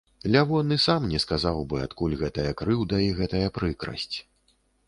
Лявон і сам не сказаў бы, адкуль гэтая крыўда і гэтая прыкрасць.